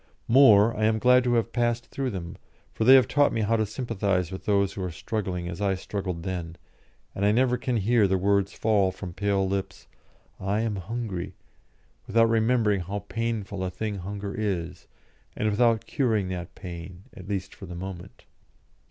More, I am glad to have passed through them, for they have taught me how to sympathise with those who are struggling as I struggled then, and I never can hear the words fall from pale lips, "I am hungry," without remembering how painful a thing hunger is, and without curing that pain, at least for the moment.